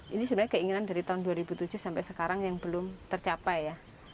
ini sebenarnya keinginan dari tahun dua ribu tujuh sampai sekarang yang belum tercapai ya